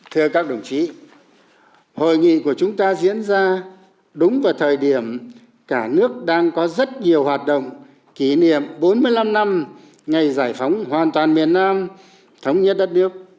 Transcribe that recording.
thưa các đồng chí hội nghị của chúng ta diễn ra đúng vào thời điểm cả nước đang có rất nhiều hoạt động kỷ niệm bốn mươi năm năm ngày giải phóng hoàn toàn miền nam thống nhất đất nước